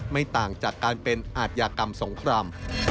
ไม่ต่างจากการเป็นอาทยากรรมสงคราม